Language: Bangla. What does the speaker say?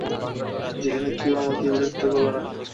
যেখানে কেউ আমাদেরকে বিরক্ত করবে না।